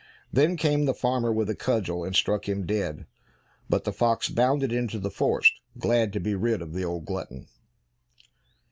Then came the farmer with a cudgel and struck him dead, but the fox bounded into the forest, glad to be rid of the old glutton.